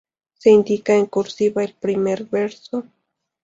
Se indica en cursiva el primer verso.